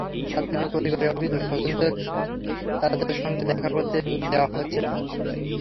ছাত্রীর পরিবারের অভিযোগ, স্বজনদের তাদের সঙ্গে দেখা করতে দেওয়া হচ্ছে না।